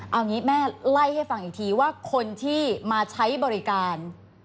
เอางี้แม่ไล่ให้ฟังอีกทีว่าคนที่มาใช้บริการ